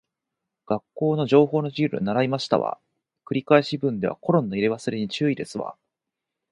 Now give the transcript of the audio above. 学校の情報の授業で習いましたわ。繰り返し文ではコロンの入れ忘れに注意ですわ